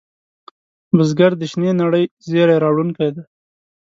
بزګر د شنې نړۍ زېری راوړونکی دی